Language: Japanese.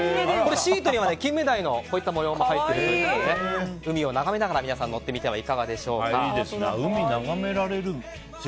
シートにはキンメダイの模様も入っているということで海を眺めながら皆さん、乗ってみてはいかがでしょうか。